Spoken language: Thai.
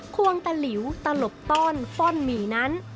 ควงตะหลิวตลบต้อนฟ้อนหมี่นั้น